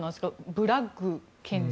ブラッグ検事。